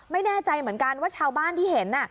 ไม่แน่ใจเหมือนกันว่าชาวบ้านที่เห็น